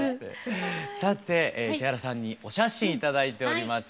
さて石原さんにお写真頂いております。